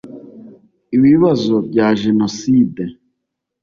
Ibibazo bya Jenoside